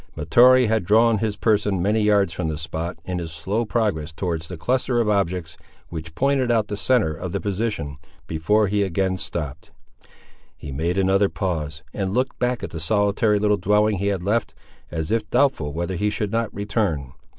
Mahtoree had drawn his person many yards from the spot, in his slow progress towards the cluster of objects which pointed out the centre of the position, before he again stopped. He made another pause, and looked back at the solitary little dwelling he had left, as if doubtful whether he should not return.